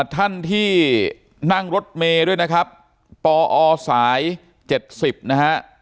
ท่านที่นั่งรถเมย์ด้วยนะครับปอสาย๗๐นะฮะ